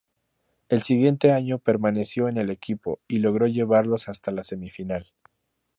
El siguiente año permaneció en el equipo y logró llevarlos hasta la semifinal.